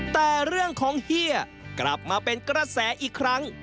แต่เรื่องของเฮียกลับมาเป็นกระแสอีกครั้ง